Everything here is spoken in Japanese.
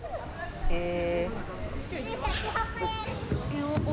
へえ。